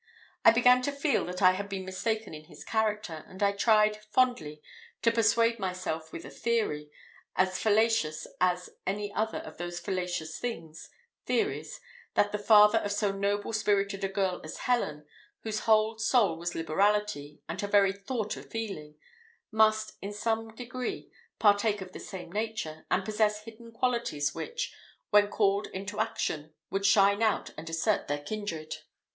I began to believe that I had been mistaken in his character, and I tried, fondly, to persuade myself with a theory as fallacious as any other of those fallacious things, theories, that the father of so noble spirited a girl as Helen, whose whole soul was liberality, and her every thought a feeling, must, in some degree, partake of the same nature, and possess hidden qualities which, when called into action, would shine out and assert their kindred.